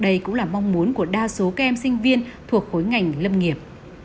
đây cũng là mong muốn của đa số các em sinh viên thuộc khối ngành lâm nghiệp